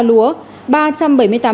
ba trăm bảy mươi tám ha hoa màu